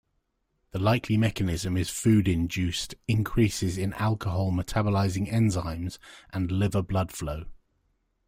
The likely mechanism is food-induced increases in alcohol-metabolizing enzymes and liver blood flow.